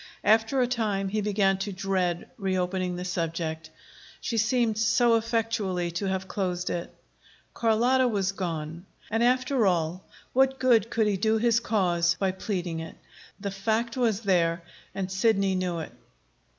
After a time he began to dread reopening the subject. She seemed so effectually to have closed it. Carlotta was gone. And, after all, what good could he do his cause by pleading it? The fact was there, and Sidney knew it.